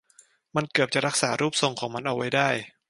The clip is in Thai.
มันเกือบจะรักษารูปทรงของมันเอาไว้ได้